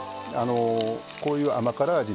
こういう甘辛味にね